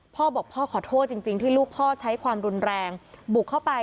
พ่อบอกพ่อขอโทษจริงที่ลูกพ่อใช้ความรุนแรงบุกเข้าไป